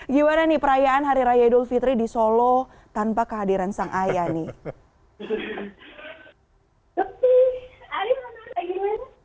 gimana nih perayaan hari raya idul fitri di solo tanpa kehadiran sang ayah nih